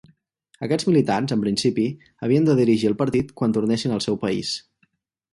Aquests militants, en principi, havien de dirigir el partit quan tornessin al seu país.